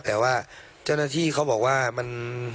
แต่ว่าเจ้าหน้าที่เขาบอกว่ามัน